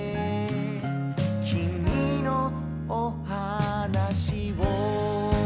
「きみのおはなしを」